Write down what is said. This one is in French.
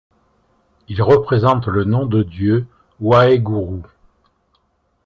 Il représente le nom de Dieu, Waheguru.